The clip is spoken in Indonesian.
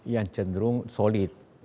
yang cenderung solid